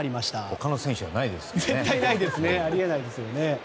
他の選手は絶対ないですよね。